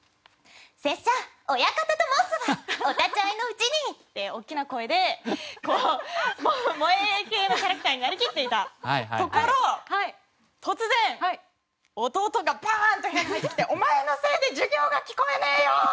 「拙者親方と申すはお立ち会いの内に」！って大きな声でこう萌え系のキャラクターになりきっていたところ突然弟がバーンと部屋に入ってきて「お前のせいで授業が聞こえねえよ！」。